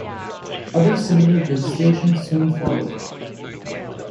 Other similar legislation soon followed.